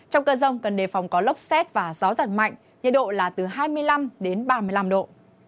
trong cơn rông cần đề phòng có lốc xét và gió giật mạnh nhiệt độ là từ hai mươi năm đến ba mươi năm độ